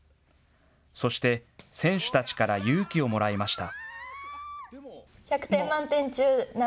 そして選手たちから勇気をもらいました。